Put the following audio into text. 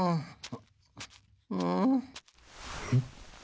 フッ。